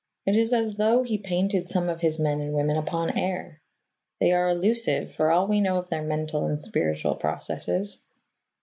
It is as though he painted some of his men and women upon air: they are elusive for all we know of their mental and spiritual processes.